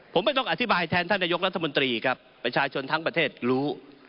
ผมไม่ต้องอธิบายแทนท่านนายกรัฐมนตรีครับประชาชนทั้งประเทศรู้